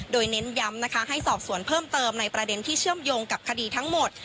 โดยเน้นย้ำนะคะให้สอบสวนเพิ่มเติมในประเด็นที่เชื่อมโยงกับคดีทั้งหมด